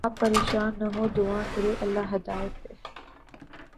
آپ پریشان نہ ہوں دعا کریں اللہ ہدایت دے